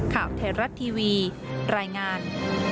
ข่าวไทยรัฐทีวีรายงาน